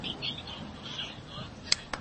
پیغمبر د ذمي قاتل ته د مرګ سزا ورکړه.